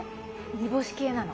煮干し系なの。